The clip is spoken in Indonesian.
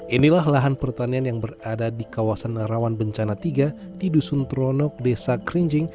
inilah lahan pertanian yang berada di kawasan rawan bencana tiga di dusun tronok desa krinjing